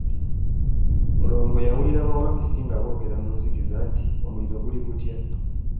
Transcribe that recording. Mulongo yawulira bawampisi nga boogera mu nzikiza nti, omuliro guli gutya?